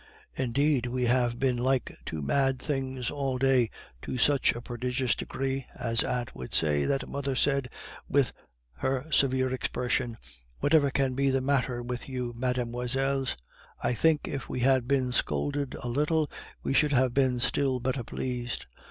Indeed, we have been like two mad things all day, 'to such a prodigious degree' (as aunt would say), that mother said, with her severe expression, 'Whatever can be the matter with you, mesdemoiselles?' I think if we had been scolded a little, we should have been still better pleased.